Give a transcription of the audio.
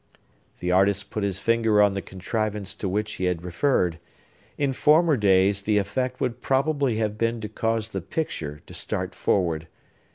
The artist put his finger on the contrivance to which he had referred. In former days, the effect would probably have been to cause the picture to start forward.